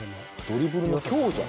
ドリブルの強弱？